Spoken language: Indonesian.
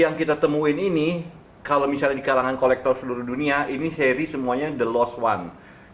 yang kita temuin ini kalau misalnya di kalangan kolektor seluruh dunia ini seri semuanya the lost one